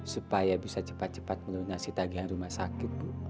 supaya bisa cepat cepat menelanasi tagihan rumah sakit bu